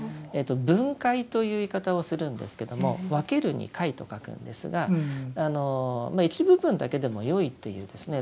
「分戒」という言い方をするんですけども「分ける」に「戒」と書くんですが一部分だけでもよいというですね